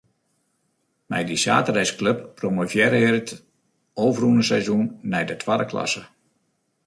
Mei dy saterdeisklup promovearre er it ôfrûne seizoen nei de twadde klasse.